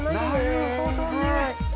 なるほどね。